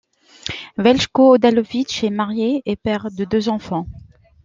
Veljko Odalović est marié et père de deux enfants.